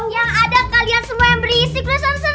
yang ada kalian semua yang berisik lu sang senang